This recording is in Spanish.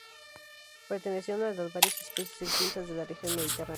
Pertenecía a una de las varias especies extintas de la región mediterránea.